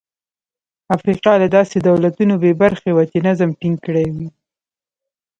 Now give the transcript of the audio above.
افریقا له داسې دولتونو بې برخې وه چې نظم ټینګ کړي وای.